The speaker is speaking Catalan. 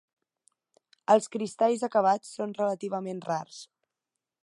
Els cristalls acabats són relativament rars.